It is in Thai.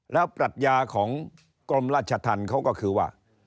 แล้วปรัชญาของกรมราชธรรมเขาก็คือว่า